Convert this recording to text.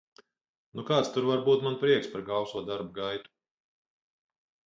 Nu kāds tur var būt man prieks par gauso darba gaitu.